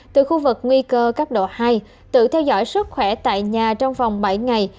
từ khu vực nguy cơ cấp độ hai tự theo dõi sức khỏe tại nhà trong vòng bảy ngày